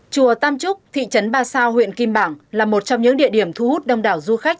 chùa tam trúc thị trấn ba sao huyện kim bảng là một trong những địa điểm thu hút đông đảo du khách